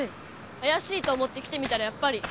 あやしいと思って来てみたらやっぱり。